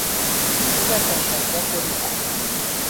Közepesen gyakori ásvány.